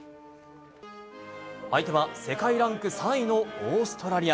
相手は、世界ランク３位のオーストラリア。